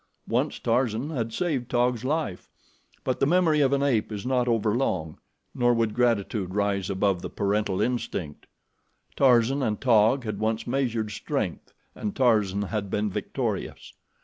Once Tarzan had saved Taug's life; but the memory of an ape is not overlong, nor would gratitude rise above the parental instinct. Tarzan and Taug had once measured strength, and Tarzan had been victorious.